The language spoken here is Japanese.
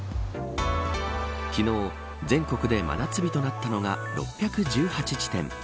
昨日、全国で真夏日となったのが６１８地点。